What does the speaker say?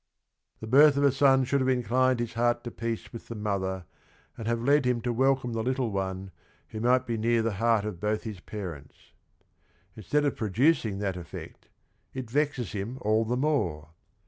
TheJbi rth of a son should have inclined his hea rt to pea ce with the mother and have led him to welcome the little one wh o might be near the heart of both his parents. Inst ead of prod ucing that effect, i t vexes him all the more